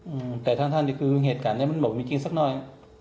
อืมแต่ท่านท่านคือเหตุการณ์มันมีจริงสักหน่อย